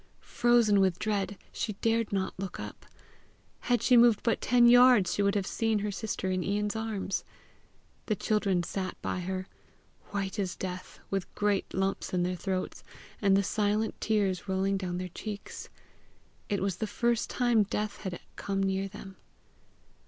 Frozen with dread, she dared not look up. Had she moved but ten yards, she would have seen her sister in Ian's arms. The children sat by her, white as death, with great lumps in their throats, and the silent tears rolling down their cheeks. It was the first time death had come near them.